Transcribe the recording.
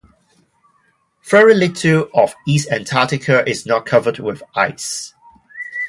Very little of East Antarctica is not covered with ice.